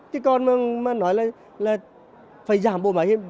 thế còn mà nói là phải giảm bộ máy